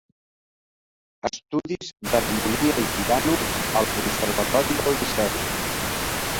Estudis d'harmonia i piano al Conservatori del Liceu.